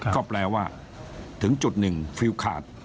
ก็แปลว่าถึงจุดหนึ่งฟิลขาด